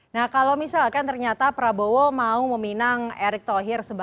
nah kalau misalkan ternyata prabowo mau meminang erick klohir sebagai penyelamat